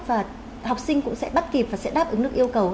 và học sinh cũng sẽ bắt kịp và sẽ đáp ứng được yêu cầu